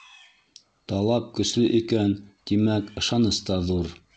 Талап көслө икән, тимәк, ышаныс та ҙур.